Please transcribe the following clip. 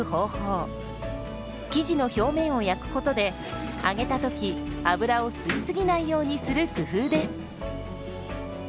生地の表面を焼くことで揚げた時油を吸い過ぎないようにする工夫です。